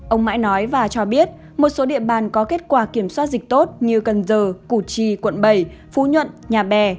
ông mãi nói và cho biết một số địa bàn có kết quả kiểm soát dịch tốt như cần giờ củ chi quận bảy phú nhuận nhà bè